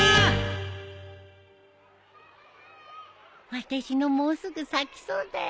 私のもうすぐ咲きそうだよ。